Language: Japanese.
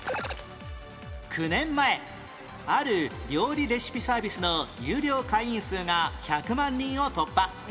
９年前ある料理レシピサービスの有料会員数が１００万人を突破